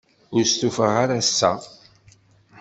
Ur stufaɣ ara ass-a.